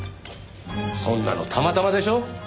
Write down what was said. そんなのたまたまでしょう。